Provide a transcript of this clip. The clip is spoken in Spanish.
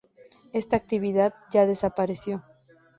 Esta actividad ya desapareció.